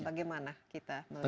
bagaimana kita melihat